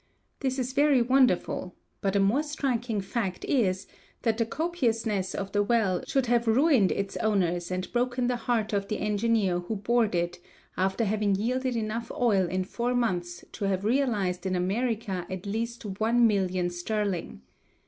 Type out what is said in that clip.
This is very wonderful, but a more striking fact is that the copiousness of the well should have ruined its owners and broken the heart of the engineer who bored it after having yielded enough oil in four months to have realized in America at least one million sterling.